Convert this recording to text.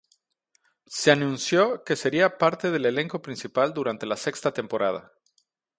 Se anunció que sería parte del elenco principal durante la sexta temporada.